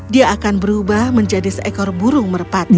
dia akan berubah menjadi seekor burung merpati